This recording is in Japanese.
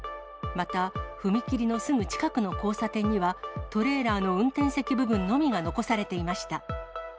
また、踏切のすぐ近くの交差点には、トレーラーの運転席部分のみが残されていました。